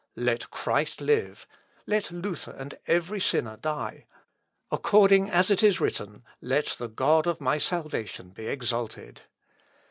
Let Christ live; let Luther and every sinner die. According as it is written: Let the God of my salvation be exalted!